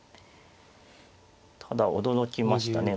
ただ驚きましたね。